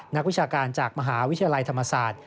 นักวิชาการจากมหาวิทยาลัยธรรมศาสตร์